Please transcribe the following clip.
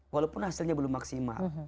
walaupun hasilnya belum maksimal